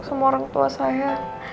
semua orang tua saya